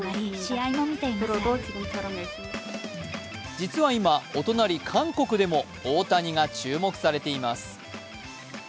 実は今、お隣・韓国でも大谷が注目されています。